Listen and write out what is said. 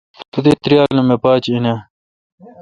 تو دی تریال ام پاچ این آں?